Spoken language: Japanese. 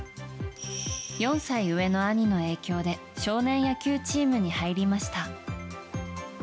４歳上の兄の影響で少年野球チームに入りました。